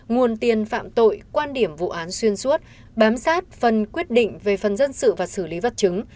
nguồn tiền phạm tội quan điểm vụ án xuyên suốt bám sát phần quyết định về phần dân sự và xử lý vật chứng